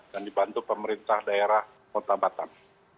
dan dibantu pemerintah daerah kota batam